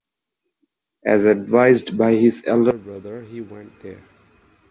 As advised by his elder brother he went there.